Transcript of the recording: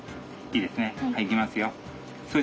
いきます。